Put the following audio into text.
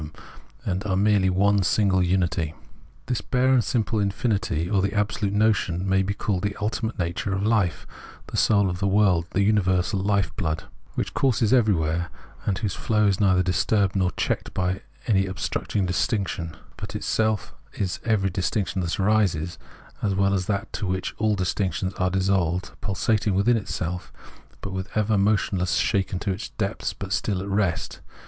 them, and are merely one single unity. This bare and simple infinity, or the absolute notion, may be called the ultimate nature of hfe, the soul of the world, the universal hfe blood, which courses every where, and whose flow is neither disturbed nor checked by any obstructing distinction, but is itself every distinction that arises, as well as that into which all distinctions are dissolved ; pulsating within itself, but ever motionless, shaken to its depths, but still at rest.